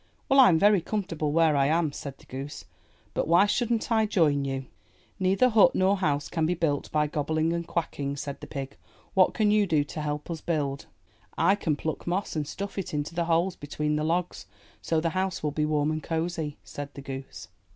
'Well, Vm very comfortable where I am," said the goose. But why shouldn't I join you?" ^'Neither hut nor house can be built by gobbling and quacking," said the pig. '*What can you do to help us build?" I can pluck moss and stuff it into the holes between the logs so the house will be warm and cosy," said the goose.